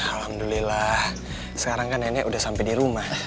alhamdulillah sekarang kan nenek udah sampai di rumah